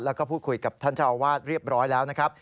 แล้วก็พูดคุยกับท่านเจ้าอาวาสเรียบร้อยแล้วนะครับ